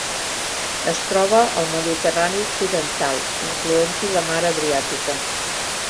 Es troba al Mediterrani occidental, incloent-hi la Mar Adriàtica.